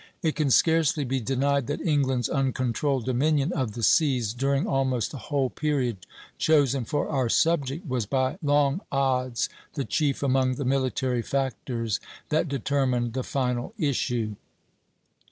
It can scarcely be denied that England's uncontrolled dominion of the seas, during almost the whole period chosen for our subject, was by long odds the chief among the military factors that determined the final issue.